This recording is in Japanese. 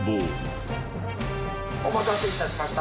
お待たせ致しました。